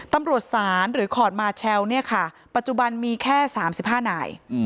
ตำรวจศาลหรือคอร์ดมาเชลล์ปัจจุบันมีแค่๓๕หน่าย